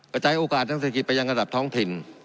จ่ายโอกาสทางเศรษฐกิจไปยังระดับท้องถิ่น